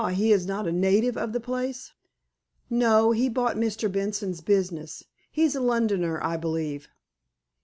He is not a native of the place?" "No. He bought Mr. Benson's business. He's a Londoner, I believe."